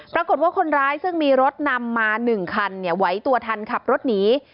ปรากฏว่าคนร้ายซึ่งมีรถนำมา๑คันไหวตัวทันขับรถหนี